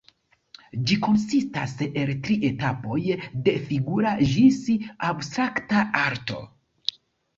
Ĝi konsistas el tri etapoj, de figura ĝis abstrakta arto.